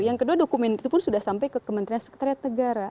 yang kedua dokumen itu pun sudah sampai ke kementerian sekretariat negara